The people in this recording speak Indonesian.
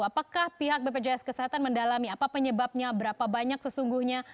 apakah pihak bpjs kesehatan mendalami apa penyebabnya berapa banyak sesungguhnya